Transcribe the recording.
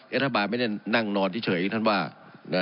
เอธบายไม่ได้นั่งนอนเฉยที่ท่านบอก